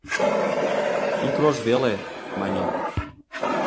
«Ик рож веле», — мане.